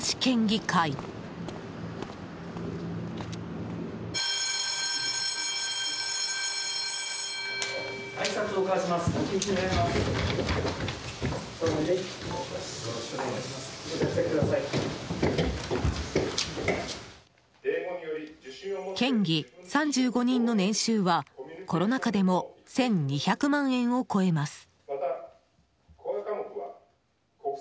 県議３５人の年収はコロナ禍でも１２００万円を超えます。